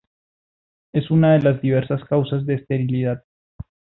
Es una de las diversas causas de esterilidad.